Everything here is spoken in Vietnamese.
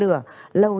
lâu lâu lâu